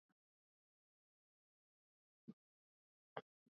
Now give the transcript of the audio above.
kutoka kabila la Wakakwa ambaye alikuwa Mkatoliki